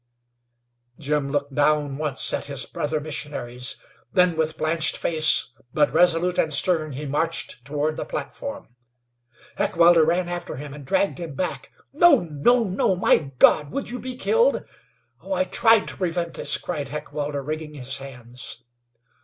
Jim looked down once at his brother missionaries; then with blanched face, but resolute and stern, he marched toward the platform. Heckewelder ran after him, and dragged him back. "No! no! no! My God! Would you be killed? Oh! I tried to prevent this!" cried Heckewelder, wringing his hands.